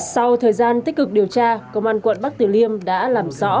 sau thời gian tích cực điều tra công an quận bắc tử liêm đã làm rõ